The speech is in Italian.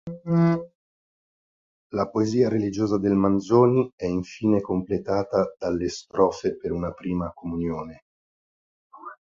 La poesia religiosa del Manzoni è infine completata dalle "Strofe per una Prima Comunione".